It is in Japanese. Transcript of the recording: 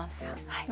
はい。